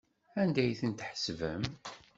Anda ay tent-tḥesbem?